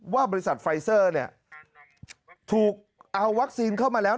ว่าบริษัทไฟเซอร์เนี่ยถูกเอาวัคซีนเข้ามาแล้ว